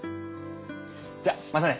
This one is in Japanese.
じゃまたね。